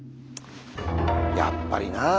やっぱりなあ。